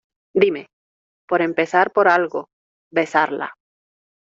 dime. por empezar por algo, besarla .